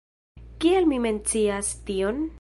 Kial mi mencias tion?